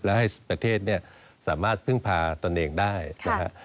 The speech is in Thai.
และให้ประเทศสามารถพึ่งพาตนเองได้นะครับ